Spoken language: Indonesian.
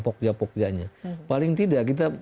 pokja pokjanya paling tidak kita